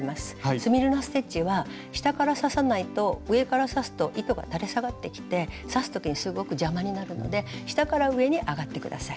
スミルナ・ステッチは下から刺さないと上から刺すと糸が垂れ下がってきて刺す時にすごく邪魔になるので下から上に上がって下さい。